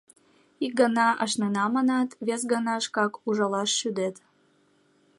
— Ик гана ашнена манат, вес гана шкак ужалаш шӱдет.